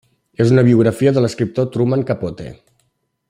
És una biografia de l'escriptor Truman Capote.